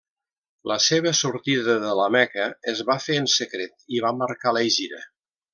La seva sortida de la Meca es va fer en secret i va marcar l'Hègira.